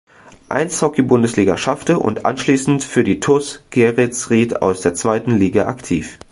Eishockey-Bundesliga schaffte, und anschließend für die TuS Geretsried aus der zweiten Liga aktiv.